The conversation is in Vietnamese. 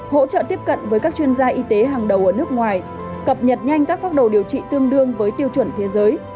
hỗ trợ tiếp cận với các chuyên gia y tế hàng đầu ở nước ngoài cập nhật nhanh các pháp đồ điều trị tương đương với tiêu chuẩn thế giới